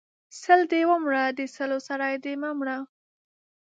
سل دې و مره، د سلو سر دې مه مره!